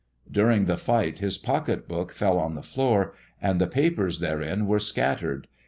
During the fight his pocket book fell on the floor, and the papers therein were scattered.